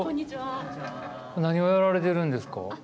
何をやられてるんですか？